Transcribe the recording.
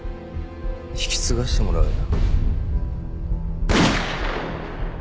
引き継がしてもらうよ。